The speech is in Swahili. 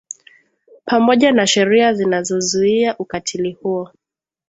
pamoja na sheria zinazozuia ukatili huo